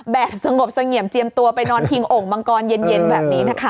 แบบสงบสงเหยี่ยมเจียมตัวไปนอนพิงองค์บังกรเย็นแบบนี้นะคะ